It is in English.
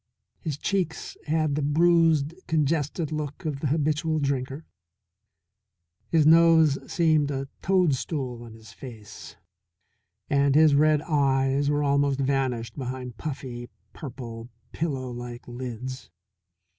His cheeks had the bruised congested look of the habitual drinker, his nose seemed a toadstool on his face, and his red eyes were almost vanished behind puffy, purple, pillow like lids.